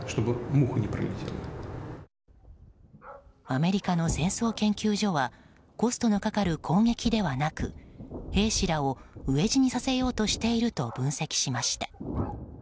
アメリカの戦争研究所はコストのかかる攻撃ではなく兵士らを飢え死にさせようとしていると分析しました。